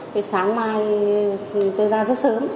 thế sáng mai tôi ra rất sớm